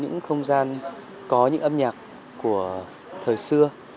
những không gian có những âm nhạc của thời xưa